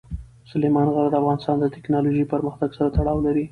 سلیمان غر د افغانستان د تکنالوژۍ پرمختګ سره تړاو لري.